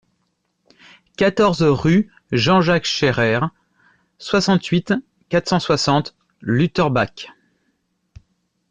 quatorze rue Jean-Jacques Scherrer, soixante-huit, quatre cent soixante, Lutterbach